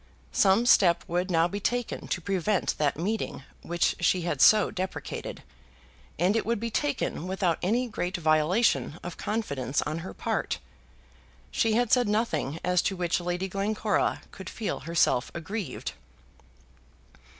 Some step would now be taken to prevent that meeting which she had so deprecated, and it would be taken without any great violation of confidence on her part. She had said nothing as to which Lady Glencora could feel herself aggrieved.